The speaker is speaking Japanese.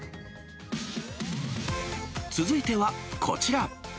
続いてはこちら。